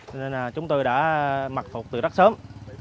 cho nên là chúng tôi đã mặc phục từ rất sớm